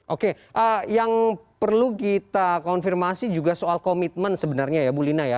oke yang perlu kita konfirmasi juga soal komitmen sebenarnya ya bu lina ya